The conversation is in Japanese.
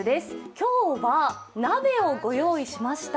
今日は鍋をご用意しました。